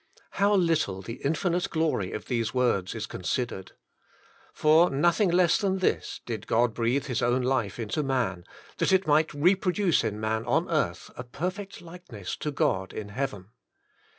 How little the infinite glory of these words is consid ered. For nothing less than this, did God breathe His own life into man, that it might reproduce in man on earth a perfect likeness to God in heaven.